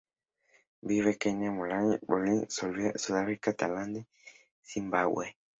Vive en Kenia, Malaui, Mozambique, Somalia, Sudáfrica, Tanzania y Zimbabue.